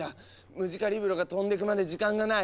ムジカリブロが飛んでくまで時間がない。